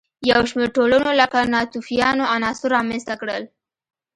یو شمېر ټولنو لکه ناتوفیانو عناصر رامنځته کړل.